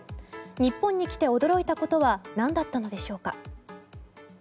日本に来て驚いたことは何だったのでしょうか。